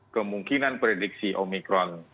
kemungkinan prediksi omicron